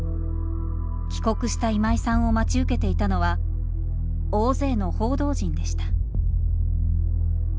帰国した今井さんを待ち受けていたのは大勢の報道陣でした。